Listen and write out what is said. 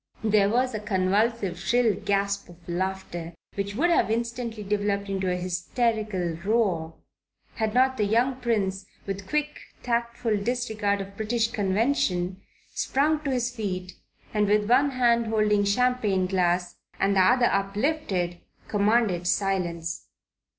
There was a convulsive, shrill gasp of laughter, which would have instantly developed into an hysterical roar, had not the young Prince, with quick, tactful disregard of British convention, sprung to his feet, and with one hand holding champagne glass, and the other uplifted, commanded silence.